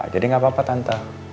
jadi gapapa tante